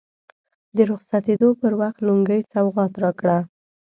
د رخصتېدو پر وخت لونګۍ سوغات راکړه.